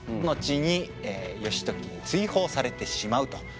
後に義時に追放されてしまうと。